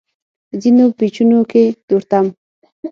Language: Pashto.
ځينو پېچونو کې تورتم و.